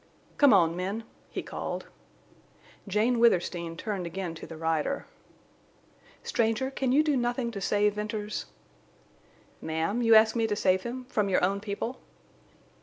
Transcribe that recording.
"Come on, men!" he called. Jane Withersteen turned again to the rider. "Stranger, can you do nothing to save Venters?" "Ma'am, you ask me to save him—from your own people?"